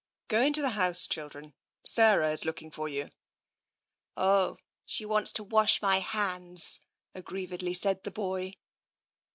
" Go into the house, children. Sarah is looking for you.'' " Oh, she wants to wash my hands," aggrievedly said the boy.